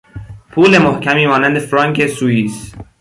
پول محکمی مانند فرانک سوئیس